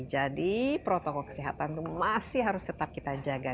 jadi protokol kesehatan itu masih harus tetap kita jaga